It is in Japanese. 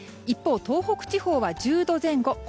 一方、東北地方は１０度前後。